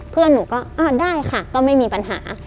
เพื่อนหนูก็อ่าได้ค่ะก็ไม่มีปัญหา